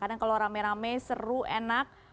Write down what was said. karena kalau rame rame seru enak